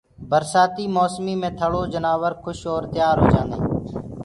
برسآتي موسمي مي ٿݪو جنآور کُش اور تيآ هوجآدآئين